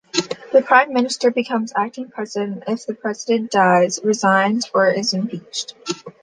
The Prime Minister becomes acting president if the President dies, resigns, or is impeached.